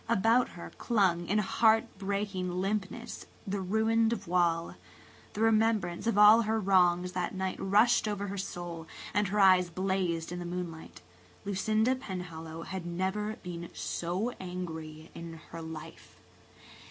About her clung, in heart breaking limpness, the ruined voile. The remembrance of all her wrongs that night rushed over her soul, and her eyes blazed in the moonlight. Lucinda Penhallow had never been so angry in her life.